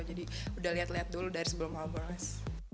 jadi udah lihat lihat dulu dari sebelum harbolnas